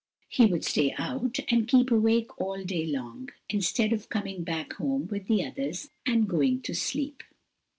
He would stay out and keep awake all day long, instead of coming back home with the others and going to sleep.